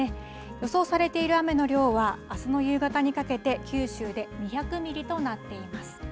予想されている雨の量は、あすの夕方にかけて、九州で２００ミリとなっています。